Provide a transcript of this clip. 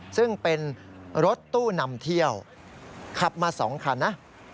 ซึ่งเป็นรถตู้นำเที่ยวขับมา๒คันนะ